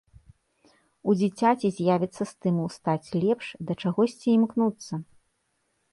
У дзіцяці з'явіцца стымул стаць лепш, да чагосьці імкнуцца.